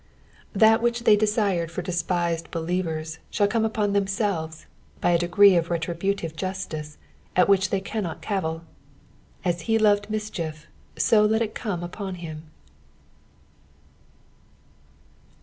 That which they desired for despised belieTers shall come upon themselves by a decree of retri butive justice, at which they cannot cavil —" As he loved mischief, so let it come upon him."